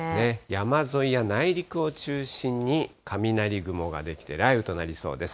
山沿いや内陸を中心に雷雲が出来て雷雨となりそうです。